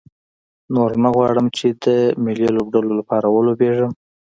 نور نه غواړم چې د ملي لوبډلې لپاره ولوبېږم.